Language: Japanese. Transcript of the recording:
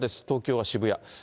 東京は渋谷。